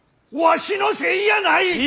わしのせいやない！